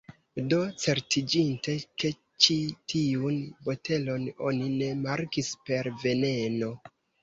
Do, certiĝinte ke ĉi tiun botelon oni ne markis per 'veneno'